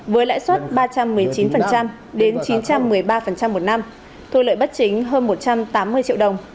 với lãi suất ba trăm một mươi chín đến chín trăm một mươi ba một năm thu lợi bất chính hơn một trăm tám mươi triệu đồng